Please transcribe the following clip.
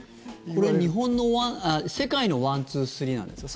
これは世界のワン、ツー、スリーなんですか？